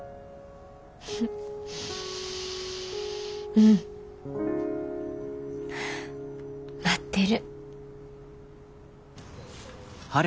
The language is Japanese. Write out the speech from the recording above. うん待ってる。